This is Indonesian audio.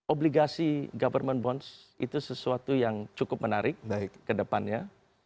obligasi government bonds itu sesuatu yang cukup menarik ke depannya